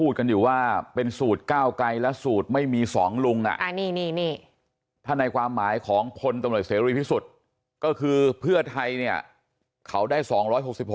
แต่ก้าวไกลคุณก็โหวตให้เข้าหน่อยซิ